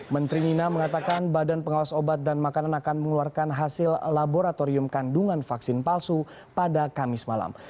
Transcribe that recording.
menteri nina mengatakan badan pengawas obat dan makanan akan mengeluarkan hasil laboratorium kandungan vaksin palsu pada kamis malam